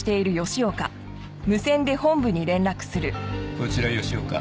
こちら吉岡。